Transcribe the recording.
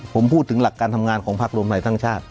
ผมพูดถึงหลักการทำงานของพักรวมไทยสร้างชาติ